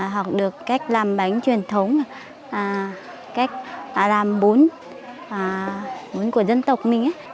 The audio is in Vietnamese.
học được cách làm bánh truyền thống cách làm bún bún cuốn